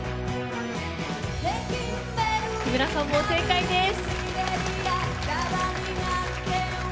木村さんも正解です。